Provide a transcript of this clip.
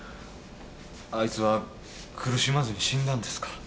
あいつは苦しまずに死んだんですか？